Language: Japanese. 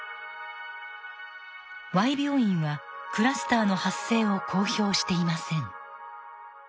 Ｙ病院はクラスターの発生を公表していません。